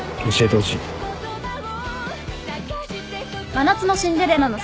［『真夏のシンデレラ』の］